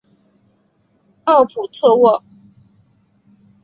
奥普特沃。